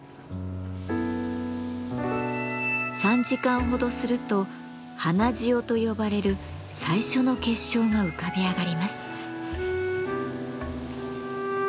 ３時間ほどすると花塩と呼ばれる最初の結晶が浮かび上がります。